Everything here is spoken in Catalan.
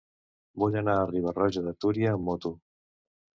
Vull anar a Riba-roja de Túria amb moto.